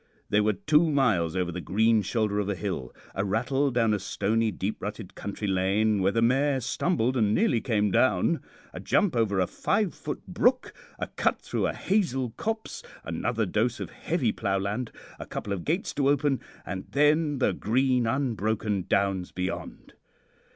They were two miles over the green shoulder of a hill, a rattle down a stony, deep rutted country lane, where the mare stumbled and nearly came down, a jump over a 5ft. brook, a cut through a hazel copse, another dose of heavy ploughland, a couple of gates to open, and then the green, unbroken Downs beyond.